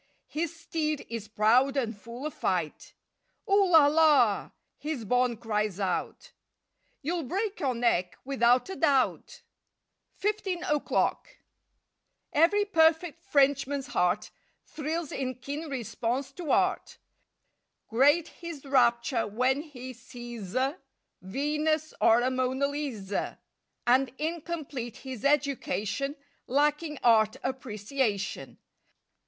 His steed is proud and full of fight. ''Oo la la!" His bonne cries out— "You'll break your neck without a doubt!" 33 . I A FOURTEEN O'CLOCK 35 FIFTEEN O'CLOCK E very perfect Frenchman's heart Thrills in keen response to Art. Great his rapture when he sees a Venus or a Mona Lisa; And incomplete his education Lacking Art Appreciation.